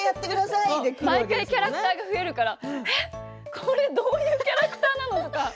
毎回キャラクターが増えるからこれどういうキャラクターなのっていう。